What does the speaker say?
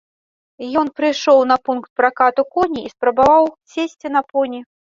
Ён прыйшоў на пункт пракату коней і спрабаваў сесці на поні.